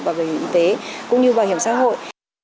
bảo hiểm y tế cũng như bảo hiểm xã hội